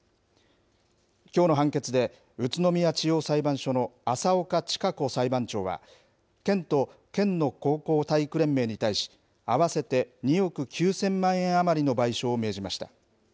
きょうの判決で宇都宮地方裁判所の浅岡千香子裁判長は、県と県の高校体育連盟に対し、合わせて２億９０００万円余りの賠償を命じました。